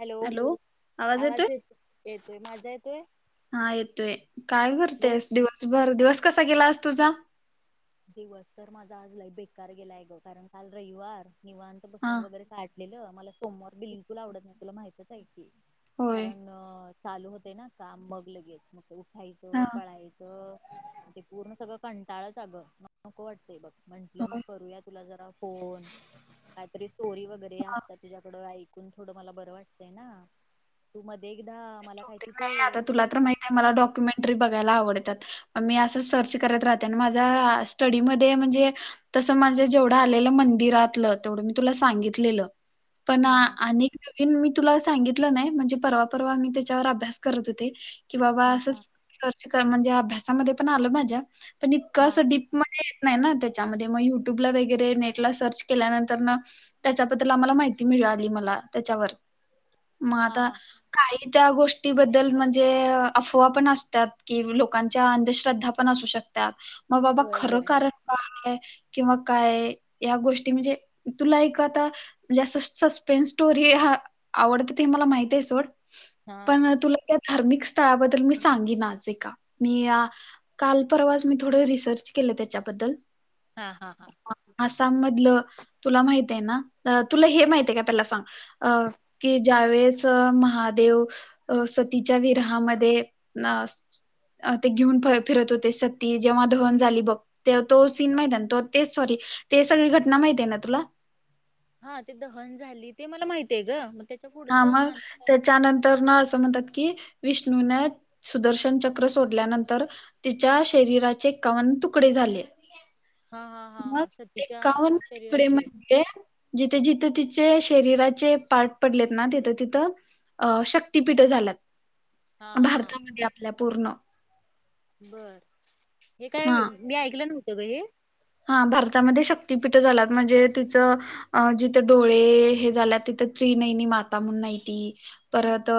Hello आवाज येत-येतोय, माझा येतोय? हां येतोय, काय बोल. करतेयस दिवसभर-दिवस कसा गेलास तुझा? दिवस तर माझा आज लई बेकार गेलाय ग, कारण काल रविवार निवांत हा बसून वगैरे काटलेलं मला सोमवार बिलकुल आवडत नही, तुला माहितच हाय की, होय कारण चालू होते ना काम मग लगेच, मग हा उठायचं पळायचंअ ते पूर्ण सगळं कंटाळच अगं म नको वाटतंय बघ, म्हंटलं मग होय करूयात तुला जरा फोन, काहीतरी स्टोरी वगैरे हा असता तुझ्याकड, आइक कुण, थोडं मला बरं वाटतंय ना. तू मध्ये एकदा मला काहीतरी [unintelligible] नाही ते आता तुला तर हा माहिती आहे मला डॉक्युमेंट टरी बघायला आवडतात, मी असं सर्च करत राहते अन माझ्या स्टडीमध्ये म्हणजे तसं माझं जेवढं आलेलं मंदिरातलं, तेवढं मी तुला सांगितलेलं. पण हा आणिक नवीन मी तुला सांगितलं नाही, म्हणजे परवा-परवा मी त्याच्यावर अभ्यास करत होते. की बाबा हा हा असच सर्च कर, म्हणजे अभ्यासामध्ये पण आलं माझ्या, पण इतकं हा असं डी मध्ये येत नाही ना त्याच्यामध्ये, मग युट्यूबला वगैरे नेटला सर्च केल्यानंतर ना त्याच्याबद्दल आम्हाला माहिती मिळाली, मला त्याच्यावर मग हा आता हा काही त्या गोष्टीबद्दल, म्हणजे अफवा पण असतात, कि लोकांच्या अंधश्रद्धा पण असू शक ता, म बाबा होय खरं होय. कारण काय? किंवा काय या गोष्टी, म्हणजे तुला एक आता म्हणजे असं सस्पेन्स स्टोरी हां आवडते ते मला माहिती ये सोड हा पण तुला त्या धार्मिक स्थळाबद्दल मी सांगीन आज एका, मी या काल परवाच मी थोडं रिसर्च केलं, त्याच्याबद्दल. हां हां हां. आसाम मधलं, तुला माहित ये ना, तुला हे माहिते ये का हे पहिल सांग. अ की ज्यावेळेस महा देव अ सतीच्या विरहामध्ये न स ते घेऊन फ-फिरत होते, सती जेव्हा दहन झाली बघ. ते तो सीन माहिते ना, त ते सॉरी, ते सगळी घटना माहती ये ना तुला? हां ते दहन झाली, ते मला माहतीये गं. हा मग त्याच्यानंतर न असं म्हणतात की, विष्णून न सुदर्शन चक्र सोडल्यानंतर, तिच्या शरीराचे एकावन तुकडे झाले. हां हां हां मग हां सतीच्या एकावन्न तुकडे शरीराचे? [unintelligible] जिथे जिथे तिचे शरीराचे पार्ट पडलेत ना, तिथं तिथं अ, शक्तीपीठ झाल्यात, हा हा हा भारतामध्ये आपल्या पूर्ण. बर, हे काय हा मी ऐकलं नव्हतं गं हे. हा, भारतामध्ये शक्तीपीठ झाल्यात म्हणजे, तिचं अ, जिथं डोळे हे झाल्या, तिथं त्रीनयनी माता म्हणून हाय ती परत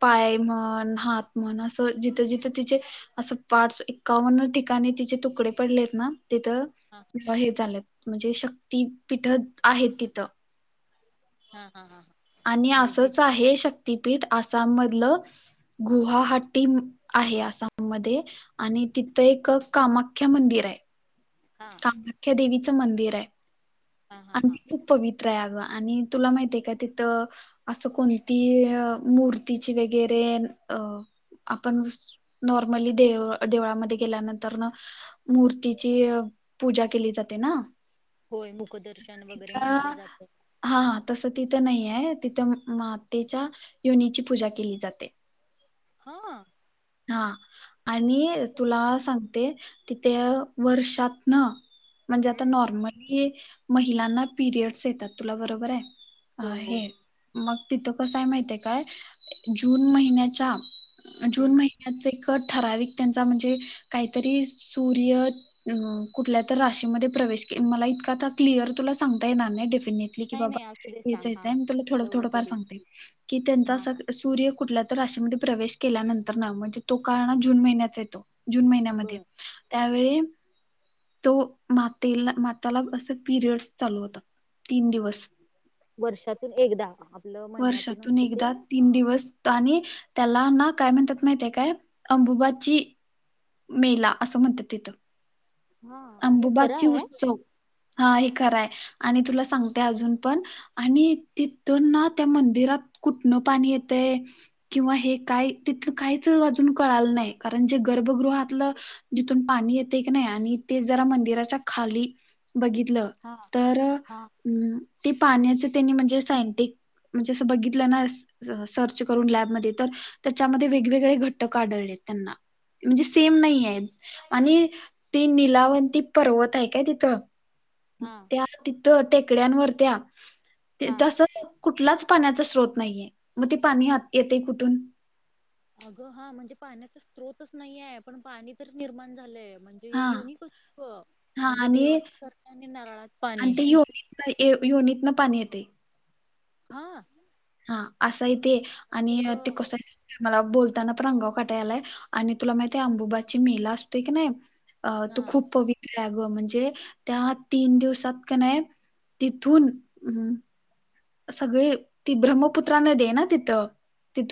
पाय म्हण, हात म्हण, असं जिथं -जिथं तिचे असं पाच, एकावन्न ठिकाणी तिचे तुकडे पडलेत ना. तिथं, हा हे झाल्यात म्हणजे शक्तीपीठ आहेत तिथं. हा, हा, हा, हां. आणि असंच आहे शक्तिपीठ, आसाम मधलं गुवाहाटी आहे आसाममध्ये आणि तिथं एक कामाख्या मंदिर हाय, हा कामाख्या देवीचं मंदिर हाय. हा हा आणि हा ती खूप पवित्र आहे अगं, आणि तुला माहिती आहे का तिथं असं कोणती, मूर्तीची वगैरे अ आपण नॉर्मली दे, देवळामध्ये गेल्यानंतर नंतरन मूर्तीची, पूजा केली जाते ना. होय, मग. तिथ हा हा, तसं तिथं नाही हाय, तिथं मातेच्या योनीची पूजा केली जाते. हा. हा, आणि तुला सांग ते, तिथ वर्षातन म्हणजे आता हम्म नॉर्मली महिलांना पीरियड्स येतात, तुला बरोबर हाय, अ, होय होय हे मग तिथं कसय हाय माहिती हाय काय, जून महिन्याचा, हम्म जून महि याच कट ठराविक त्यांचा म्हणजे, काहीतरी सूर्य कुठल्या तर राशीमध्ये प्रवेश, मला इतका क्लिअर तुला सांगता येणार नाही, डेफिनेटली ठीक नाही आहे बाबा, नाही असू दे येता सांग हा -येता मी तुला मी तुला थोडं तेवढं -थोडं फार तुला तरी सांगते की त्याचा हा असं हा सूर्य कुठल्या तर राशीमध्ये प्रवेश केल्यानंतरन, म्हणजे तो काळ ना जून महिन्याचं येतो. जून महिन्यामध्ये, बर त्यावेळी तो, मातेला, माताला असं पिरियडस चालू होतत, तीन दिवस वर्षातून एकदा आपलं महिन्यातून वर्षातून असतं ते एकदा, तीन हा दिवस आणि त्याला ना काय म्हणतात माहिती काय, अंबुबाची मेला, असं म्हणतात तिथं. हा हे खरं अंबुबाची आहे उत्सव हा हे खरां हाय आणि तुला सांगते अजून पण आणि, तिथं ना त्या मंदिरात कुठणं पाणी येतय किंवा हे काय, तिथ काहीच अजून कळालं नाही, कारण जे गर्भगृहातलं जिथून पाणी येतय कनाय आणि ते जरा मंदिराच्या खाली बघितलं, हा तर हा हम्, ते पाण्याचं त्येनी म्हणजे सायंटिक, म्हणजे असं बघितलं ना सर्च करून लॅबमध्ये तर, त्याच्यामध्ये वेगवेगळे घटक आढळलेत त्येना. म्हणजे सेम नाहीयेत, आणि ते लावती पर्वत हाय काय तिथ, हा त्या टेकड्यांवर त्या, हा तसच कुठलाच पाण्याचा स्रोत नाहीये, मग ते पाणी येतय कुठून? अगं हा, म्हणजे पाण्याचा स्त्रोतच नाहीय, पण पाणी तर निर्माण झालंय म्हणजे हा म्ह युनिक असत. हा म्हणजे आणि देवाची करनी आणि नारळात पाणी. युनित न पाणी येतय. ह. हा असाय ते. आणि तर ग ते कस मला बोलताना पण आंगाव काटायलाय. आणि तुला माहिती अंबुबाची मेला असतोय की नाही. अ तो हा खूप पवि त्रय आग. म्हणजे त्या तीन दिवसात का नाय, तिथून सगळी, ती ब्रह्मपुत्राना नदीय ना तिथं.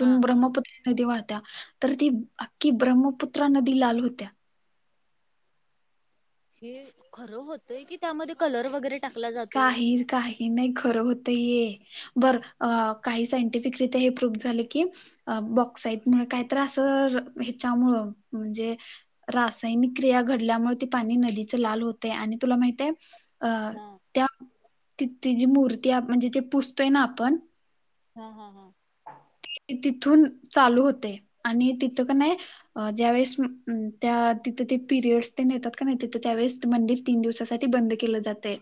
हा ब्रहमपुत्रा नदी वाहत्या. तर ती अख्यी ब्रह्मपुत्रा नदी लाल होत्या. हे खरं होतय की, त्यामध्ये कलर वगैरे टाकला जातोय काही काही नाही खरं होतय हे. बर काही सायंटिफिकरीत्या हे प्रूफ झाले की, अ बॉक्साइड मुळ, कायतर असं ह्याच्यामुळे. म्हणजे रासायनिक क्रिया घडल्यामुळे ती पाणी नदीच लाल होते. आणि तुला माहिते? अ हा त्या तीथं जी मूर्ती म्हणजे ते पुजतोय ना आपण. ह ह ह. ते तिथून चालू होतय. आणि तिथं का नाही अ ज्यावेळे त्या तिथं ते पिरियडस ते येतात का नाही. तिथं त्यावेळेस मंदिर तीन दिवसासाठी बंद केलं जातय.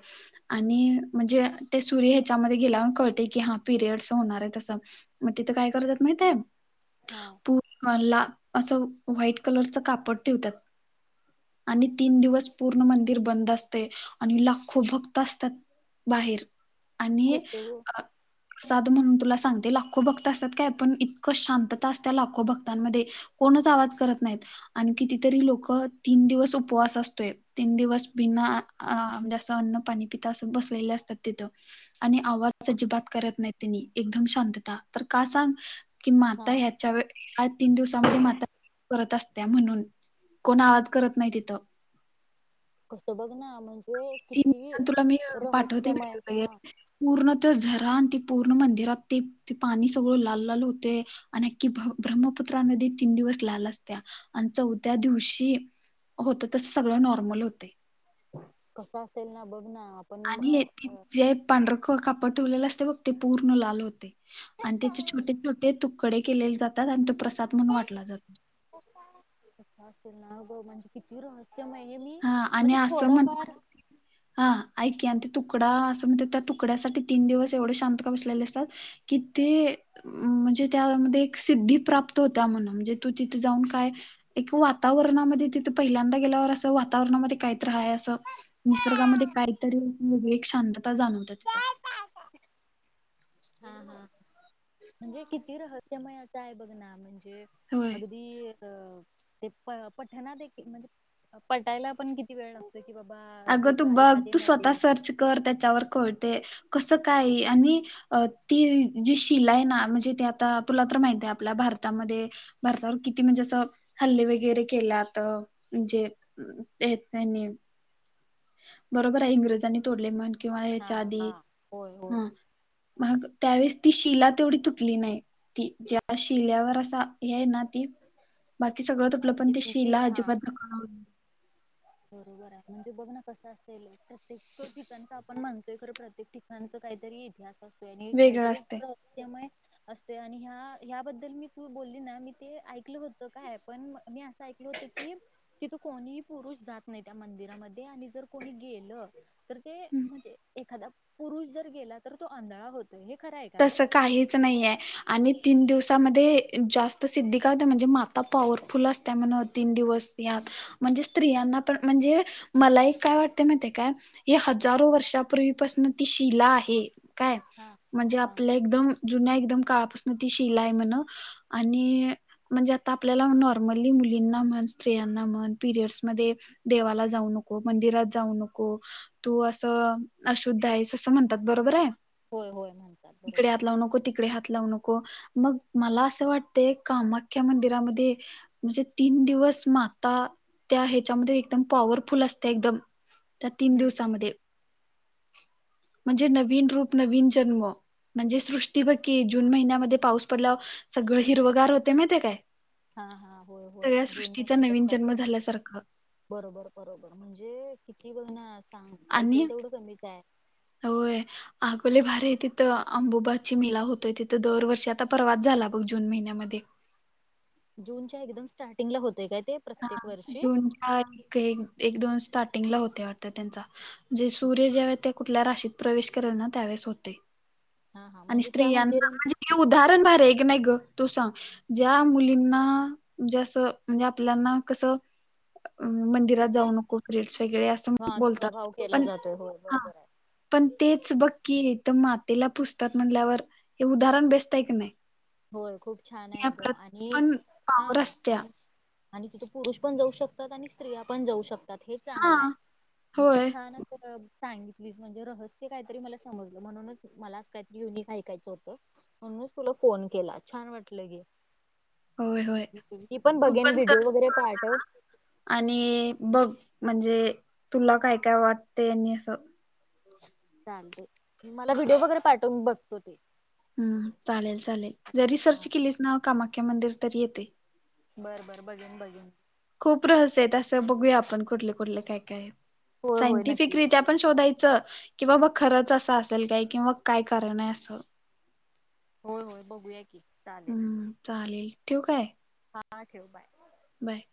आणि म्हणजे ते सूर्य ह्याच्यामध्ये गेल्यावन कळते की, हा पिरियडस होणारेत असं. तिथं काय करतात माहिते? हा. पूर्ण ला असं व्हाईट कलरचं कापड ठवतात. आणि तीन दिवस पूर्ण मंदिर बंद असते. आणि लाखो भक्त असतात. बाहेर. आणि कस प्रसाद म्हणून तुला सांगते. लाख लाखो भक्त असतात काय. पण इतकं शांतता असते लाखो भक्तांमध्ये. कोणच आवाज करत नायेत. आण कितीतरी लोक तीन दिवस उपवास असतोय. तीन दिवस बिना अ म्हणजे असं न अन्न पाणी पिता असं बसलेले असतात तिथं. आणि आवाज अजिबात करत नाही. त्यांनी एकदम शांतता. तर का सांग की हा माता यात व आज तीन दिवसामध्ये माता [unintelligible] करत असत्या म्हणून. कोण आवाज करत नाही तिथं. कसं बघ ना. म्हणजे तीन किती तुला मी पाठवते रहस्यमय. व्हिडिओ वगैरे ह. पूर्ण ते झरा आणि ते पूर्ण मंदिरात. ते ते पाणी सगळं लाल लाल होते. आणिअख्यी ब्रह्मपुत्रामध्ये तीन दिवस लाला असतेया. आणि चौथ्या दिवशी होत तस सगळं नॉर्मल होतय. कस असेल ना. बघना. आणि ती जे पांढर कापड ठेवलेलं असतय बघ. ते पूर्ण लाल होते. आणि त्याचे छोटे छोटे तुक कडे केलेले जातात. आणि तो प्रसाद म्हणून वाटला जातो. कस असेल ना ग, म्हणजे किती रहस्यमये. हे मी म्हणजे थोडंफार ह [unintelligible] हा ऐकी. आण ते तुकडा असं म्हणत त्या तुकड्यासाठी तीन दिवस एवढे शांत का बसलेले असतात. कि ते म्हणजे त्यामध्ये एक सिद्धी प्राप्त होता म्हणून. म्हणजे तू तिथे जाऊन काय एक वातावरणामध्ये, तिथे पहिल्यांदा गेल्यावर असं वा तावरणामध्ये कायतर हाय असं. निसर्गामध्ये हा काहीतरी वेगळी एक शांतता जाणवते तिथं. हा हा, म्हणजे किती रहस्यमय असं आहे बघ ना, म्हणजे होय अ ते पठना देखील, म्हणजे पटायला पण किती कती वेळ लागतो कि बाबा, ए अगं तू बघ एखादे तू स्वतः नदी सर्च कर त्याच्यावर कळतय, कस काय आणि अ ती जी शिलाय ना म्हणजे, ते आता तूला तर माहती आहे, आपल्या भारतामध्ये भारतावर किती म्हणजे असं, हल्ले वगैरे केल्यात, म्हणजे तेच त्यांनी बरोबर आहे, इंग्रजांनी तोडले म्हण किंवा हा ह्याच्या आधी, हा होय होय. हम्म मग त्यावेळेस ती शिला तेवढी तुटली नाही, ती ज्या शिल्यावर असा हे ना ती, बाकी सगळं हा तुटलं, पण म्हणजे ती तिथे शिला हा अजिबात दखला बरोबर आहे, म्हणजे बघ ना कसं असतय [unintelligible] प्रत्येक ठिकाणच आपण म्हणतोय, खरं प्रत्येक ठिका पण तो काहीतरी इतिहास असतोय, आणि वेगळं काहीतरी असते. रहस्यमय असतय, आणि ह्या ह्या बद्दल मी तू बोलली ना, मी ते ऐकलं होतं काय पण, मी असं ऐकल होतं की तिथं कोणीही पुरुष जात नाही त्या मंदिरामध्ये, आणि जर कोणी गेलं तर ते हम्म. म्हणजे एखादा पुरुष जर गेला तर, तो आंधळा होतोय, हे खरं आहे का ग? तसं काहीच नाहीये आणि तीन दिवसामध्ये, जास्त सिद्धिका होत्या, म्हणजे माता पॉवरफुल असत्या म्हण तीन दिवस यात, म्हणजे स्त्रियांना पण, म्हणजे मला एक काय वाटतय माहितीय काय हे हजारो वर्षापूर्वीपासन ती शिला आहे, काय. हा. म्हणजे हा आपल्या एकदम जुन्या, एकदम काळापासून ती शिला हाय म्हण, आणि म्हणजे आता आपल्याला नॉर्मली मुलींना म्हण, स्त्रियांना म्हण, पिरियडसमध्ये देवाला जाऊ नको, मंदिरात जाऊ नको तू असं अशुद्धाईस असं म्हणतात, बरोबर हाय. होय होय, म्हण तिकडे हात लावू नको, तिकडे हात लाव न मग मला असं वाटतंय, कामाख्या मंदिरामध्ये म्हणजे तीन दिवस माता, त्या ह्याच्यामध्ये एकदम पॉवरफुल असत्या, एकदम त्या तीन हम्म. दिवसामध्ये, म्हणजे नवीन रूप, नवीन जन्म म्हणजे सृष्टी बघ की, जून महिन्यामध्ये पाऊस पडला सगळं हिरवगार होतय, माहितीय काय? हा हा, होय होय, सगळ्या जून सृष्टीचा महिन्याच नवीन जन्म स्टार्टिंग झाल्यासारखं बरोबर बरोबर, म्हणजे किती बघ ना, सांग ऐकल आणि तेवढं कमीच आहे. होय. आग लई भारी हाय तिथं, अंबुबाची मेला होतोय तिथं दरवर्षी, आता परवात झाला बघ जून महिन्यामध्ये. जूनच्या एकदम स्टार्टिंगला होतय काय ते? हा, प्रत्येक वर्षी जूनच्या एक, एक दोन स्टार्टिंगला होतय वाटत त्यांचा म्हणजे सूर्य ज्यावेळी त्या कुठल्या राशीत प्रवेश करल ना, त्यावेळेस होतय. हा हा आणि म्हणजे त्या मंदिर स्त्रियांना हे उदाहरण भारी हाय काय नाही ग, तू सांग? ज्या मुलींना म्हणजे अस आपल्याना कसं मंदिरात जाऊ नको, पिरियडस वगैरे असं हा तुझा बोलतात, भाव केला पण जातोय होय हा बरोबर आहे. पण तेच बक्की, हित मातेला पुजतात, म्हणल्यावर हे उदाहरण बबेस्ट हाय की नाही? होय खूप छान हे आहे ग, आपलं आणि पण पावर हा, असत्या आणि आणि तिथ पुरुष पण जाऊ शकतात, आणि स्त्रिया पण जाऊ शकतात, हे हा चांगलं आहे, आणि होय खूप छान सांगितलीस म्हणजे रहस्य काहीतरी मला समजलं म्हणूनच मला अस काहीतरी युनिक ऐकायचं होतं. म्हणूनच तुला फोन केला छान वाटलं घे होय होय मी पण तू बघेन व्हिडिओ सर्च वगैरे कर जरा पाहाठव आणि बघ म्हणजे तुला काय काय वाटतेय आणि असं चालतय मला व्हिडिओ वगैरे पाठव मी बघतो ते. हम्म चालेल चालेल जरी सर्च केलीस ना कामाख्या मंदिर तरी येतय. बरं बरं बघेन - बघेन. खूप रहस्य असं बघूया आपण कुठले -कुठले काय -काय आहेत होय होय नक्की सायंटिफिक रीत्या पण शोधायचं की बाबा खरंच असं असेल काय किंवा काय कारण आहे असं होय -होय बघूया की चालेल हम्म चालेल. ठेऊ काय? हा ठेव बाय. बाय.